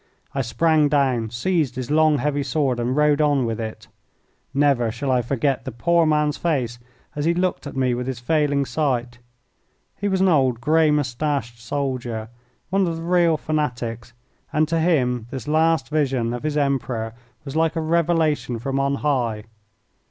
I sprang down, seized his long, heavy sword, and rode on with it. Never shall I forget the poor man's face as he looked at me with his failing sight. He was an old, grey moustached soldier, one of the real fanatics, and to him this last vision of his Emperor was like a revelation from on high.